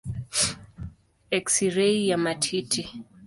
Eksirei ya matiti.